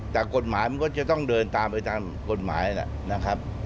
แต่กฎหมายมันก็จะต้องเดินตามไปตามกฎหมายนะครับ